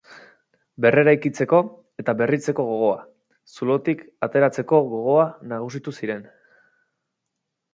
Berreraikitzeko eta berritzeko gogoa, zulotik ateratzeko gogoa nagusitu ziren.